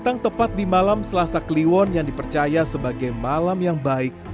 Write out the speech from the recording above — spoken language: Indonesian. datang tepat di malam selasa kliwon yang dipercaya sebagai malam yang baik